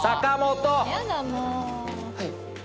はい。